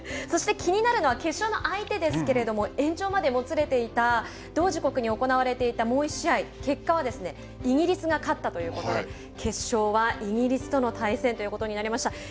そして気になるのは決勝の相手ですけれども延長までもつれていた同時刻に行われていたもう１試合、結果はイギリスが勝ったということで決勝はイギリスとの対戦ということになりました。